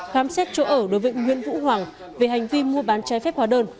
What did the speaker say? khám xét chỗ ở đối với nguyễn vũ hoàng về hành vi mua bán trái phép hóa đơn